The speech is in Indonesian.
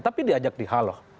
tapi diajak dihaloh